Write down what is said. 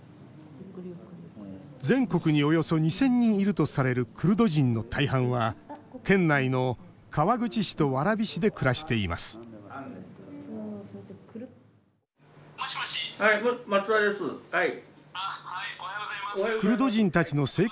全国におよそ２０００人いるとされるクルド人の大半は県内の川口市と蕨市で暮らしています松澤です。